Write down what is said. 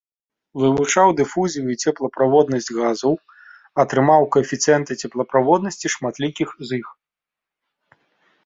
Вывучаў дыфузію і цеплаправоднасць газаў, атрымаў каэфіцыенты цеплаправоднасці шматлікіх з іх.